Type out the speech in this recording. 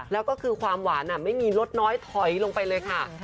แล้วก็คือความหวานไม่มีลดน้อยถอยลงไปเลยค่ะ